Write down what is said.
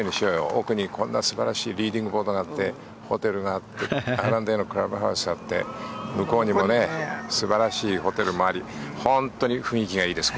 奥にこんな素晴らしいリーディングボードがあってホテルがあってＲ＆Ａのクラブハウスがあって向こうにも素晴らしいホテルもあり本当に雰囲気がいいです